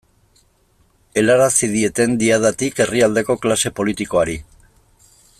Helarazi dieten Diadatik herrialdeko klase politikoari.